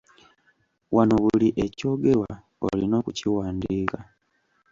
Wano buli ekyogerwa olina okukiwandiika.